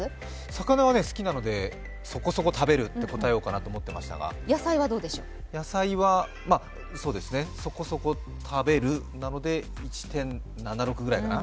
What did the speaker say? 魚は好きなのでそこそこ食べると答えようかなと思ってましたが、野菜はそこそこ食べるなので、１．７６ぐらいかな。